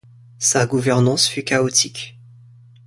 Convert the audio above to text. Sa gouvernance fut chaotique.